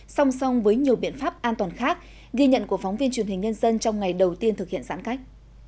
song song với nhiều biện pháp an toàn khác ghi nhận của phóng viên truyền hình nhân dân trong ngày đầu tiên thực hiện giãn cách